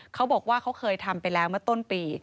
เขาบอกว่าเขาเคยทำไปแล้วเมื่อต้นปี